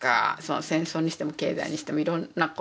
戦争にしても経済にしてもいろんなことがあって。